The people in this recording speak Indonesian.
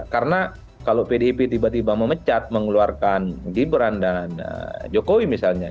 karena kalau pdip tiba tiba memecat mengeluarkan gibran dan jokowi misalnya